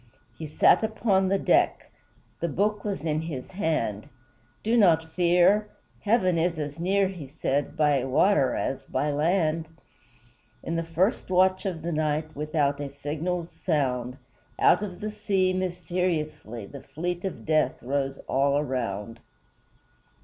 He sat upon the deck, The Book was in his hand; "Do not fear! Heaven is as near," He said, "by water as by land!" In the first watch of the night, Without a signal's sound, Out of the sea, mysteriously, The fleet of Death rose all around.